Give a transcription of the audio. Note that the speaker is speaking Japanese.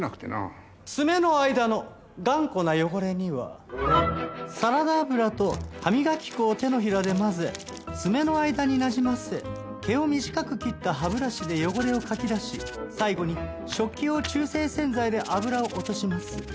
爪の間の頑固な汚れにはサラダ油と歯磨き粉を手のひらで混ぜ爪の間になじませ毛を短く切った歯ブラシで汚れをかき出し最後に食器用中性洗剤で油を落とします。